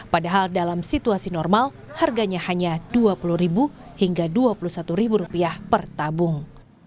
padahal dalam situasi normal harganya hanya rp dua puluh hingga rp dua puluh satu per tabung